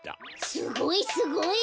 すごいすごい。